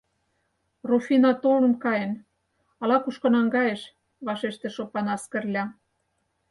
— Руфина толын каен, ала-кушко наҥгайыш, — вашештыш Опанас Кырля.